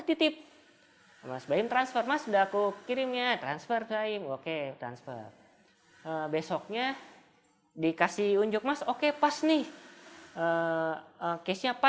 ini juga yang saya ingin kasih tau